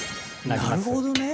なるほどね。